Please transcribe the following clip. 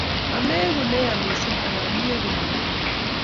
Ameegu ne ya miising' anan iegu ne perber.